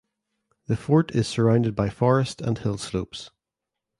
The fort is surrounded by forest and hill slopes.